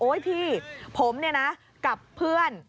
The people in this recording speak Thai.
โอ้ยพี่ผมกับเพื่อน